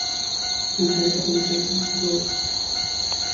তিনি প্রহসন, কবিতা এবং র ক্লাভিগো রচনা করেন।